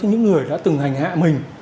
những người đã từng hành hạ mình